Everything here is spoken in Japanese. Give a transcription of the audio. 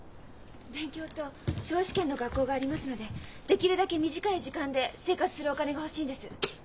勉強と司法試験の学校がありますのでできるだけ短い時間で生活するお金が欲しいんです。